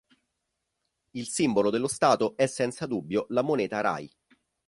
Il simbolo dello Stato è senza dubbio la moneta Rai.